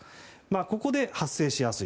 ここで発生しやすい。